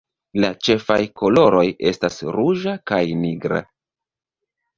La ĉefaj koloroj estas ruĝa kaj nigra.